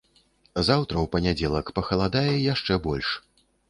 Заўтра, у панядзелак пахаладае яшчэ больш.